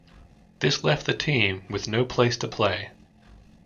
This left the team with no place to play.